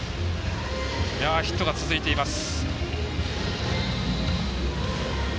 ヒットが続いています。